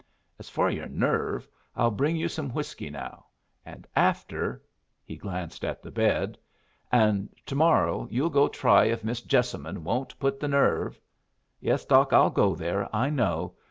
"As for your nerve, I'll bring you some whiskey now. And after" he glanced at the bed "and tomorrow you'll go try if Miss Jessamine won't put the nerve " "Yes, Doc, I'll go there, I know.